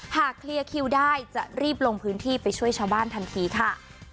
หากเคลียร์คิวได้จะรีบลงพื้นที่ไปช่วยชาวบ้านทันทีค่ะ